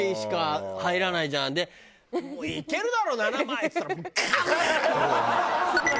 いけるだろ７枚っつったらガガガッ！